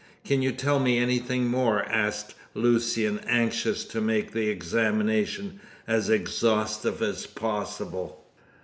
"Can you tell me anything more?" asked Lucian, anxious to make the examination as exhaustive as possible.